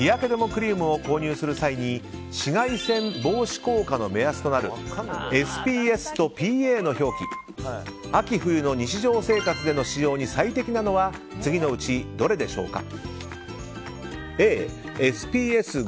クリームを購入する際に紫外線防止効果の目安となるＳＰＦとＰＡの表記秋冬の日常生活での使用に最適なのは次のうちどれでしょうか。